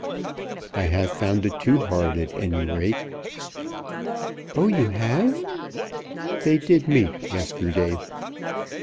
"I have found it too hard, at any rate." "Oh, you have?" "They did meet yesterday."